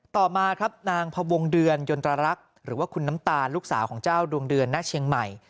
ต่อมาครับนางพวงเดือนยนตรรักษ์หรือว่าคุณน้ำตาลลูกสาวของเจ้าดวงเดือนหน้าเชียงใหม่